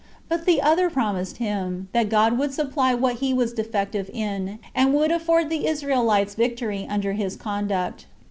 But the other promised him, that God would supply what he was defective in, and would afford the Israelites victory under his conduct.